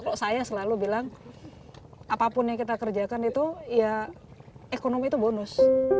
kalau saya selalu bilang apapun yang kita kerjakan itu ya ekonomi itu bonus